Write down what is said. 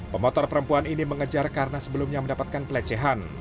pemotor perempuan ini mengejar karena sebelumnya mendapatkan pelecehan